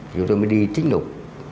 chúng tôi mới đi trích lục